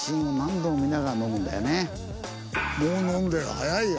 もう飲んでる早いよ。